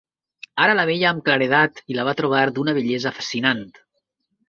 Ara la veia amb claredat, i la va trobar d'una bellesa fascinant.